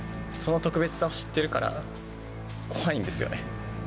その特別さを知ってるから、怖いんですよね。